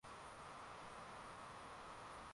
Samia aliweza kukwepa mtego huo wa wazee